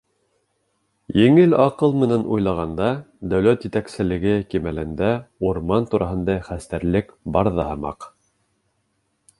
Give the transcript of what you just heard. Еңел аҡыл менән уйлағанда, дәүләт етәкселеге кимәлендә урман тураһында хәстәрлек бар ҙа һымаҡ.